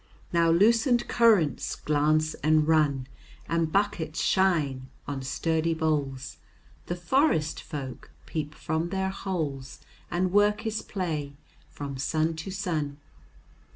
Now loosened currents glance and run, And buckets shine on sturdy boles, The forest folk peep from their holes, And work is play from sun to sun.